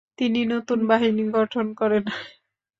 তিনি নতুন বাহিনী গঠন করেন।